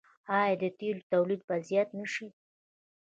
آیا د تیلو تولید به زیات نشي؟